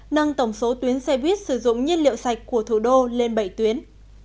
nâng tổng số tuyến xe buýt sử dụng nhiên liệu sạch của thủ đô lên bảy tuyến